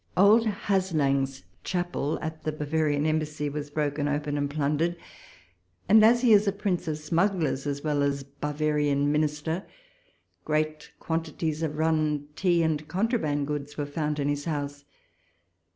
Old Haslang's Chapel (at the Bavarian Embassy) was broken open and plundered ; and, as he is a Prince of Smugglers as well as Bavarian Minister, great quantities of run tea and contraband goods were found in his house.